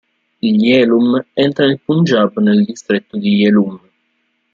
Il Jhelum entra nel Punjab nel distretto di Jhelum.